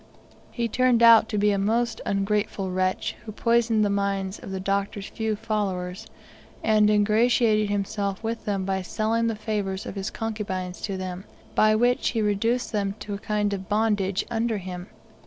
He turned out to be a most ungrateful wretch, who poisoned the minds of the Doctor's few followers, and ingratiated himself with them by selling the favours of his concubines to them, by which he reduced them to a kind of bondage under him.